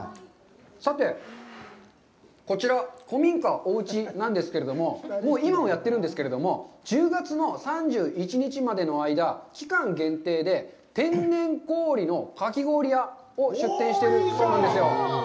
さて、こちら、古民家ＯＵＣＨＩなんですけれども、今もやってるんですけれども、１０月の３１日までの間、期間限定で天然氷のかき氷屋を出店してるそうなんですよ。